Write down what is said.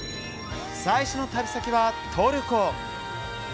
最初の旅先は、トルコ。